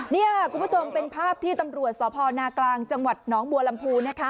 นี่คุณผู้ชมเป็นภาพที่ตำรวจสนจังหวัดน้องบัวลำพู